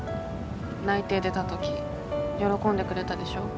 内定出た時喜んでくれたでしょ。